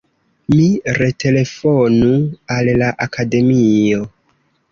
Mi retelefonu al la Akademio.